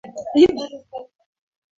Hii ina maana iwapo unataka kuvunja historia